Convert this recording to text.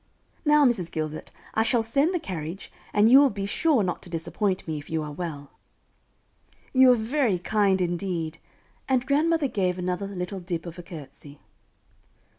Now, Mrs. Gilbert, I shall send the carriage, and you will be sure not to disappoint me, if you are well." "You are very kind, indeed;" and grandmother gave another little "dip of a curtsy."